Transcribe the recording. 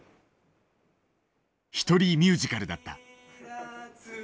一人ミュージカルだった。